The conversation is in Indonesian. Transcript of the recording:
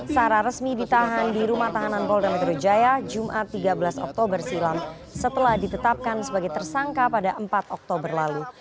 sarah resmi ditahan di rumah tahanan polda metro jaya jumat tiga belas oktober silam setelah ditetapkan sebagai tersangka pada empat oktober lalu